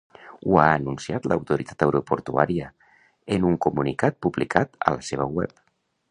Ho ha anunciat l’autoritat aeroportuària en un comunicat publicat a la seva web.